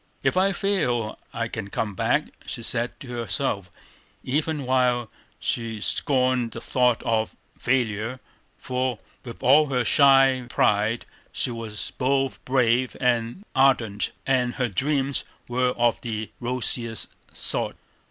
"If I fail, I can come back," she said to herself, even while she scorned the thought of failure, for with all her shy pride she was both brave and ardent, and her dreams were of the rosiest sort.